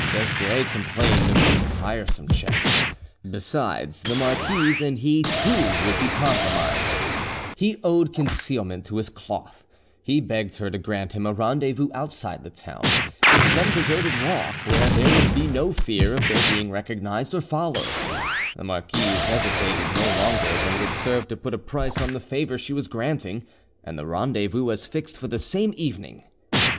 Desgrais complained of these tiresome checks; besides, the marquise and he too would be compromised: he owed concealment to his cloth: He begged her to grant him a rendezvous outside the town, in some deserted walk, where there would be no fear of their being recognised or followed: the marquise hesitated no longer than would serve to put a price on the favour she was granting, and the rendezvous was fixed for the same evening.